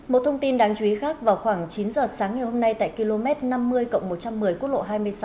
một thông tin đáng chú ý khác vào khoảng chín giờ sáng ngày hôm nay tại km năm mươi một trăm một mươi quốc lộ hai mươi sáu